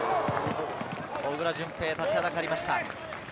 小倉順平が立ちはだかりました。